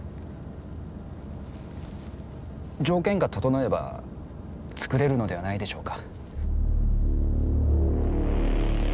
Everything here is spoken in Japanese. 条件が整えば造れるのではないでしょうか。